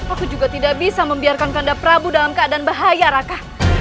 aku juga tidak bisa membiarkan ganda prabu dalam keadaan bahaya raka